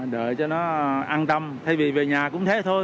đợi cho nó an tâm thay vì về nhà cũng thế thôi